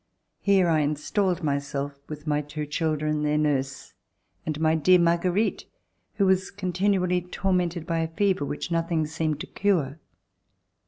Here I Installed myself with my two children, their nurse and my dear Marguerite, who was continually tormented by a fever which nothing seemed to cure.